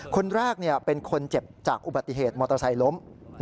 คนแรกเป็นคนเจ็บจากอุบัติเหตุมอเตอร์ไซค์ล้ม